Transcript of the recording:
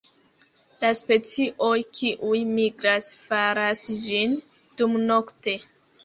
La specioj kiuj migras faras ĝin dumnokte.